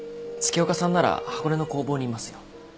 月岡さんなら箱根の工房にいますよ。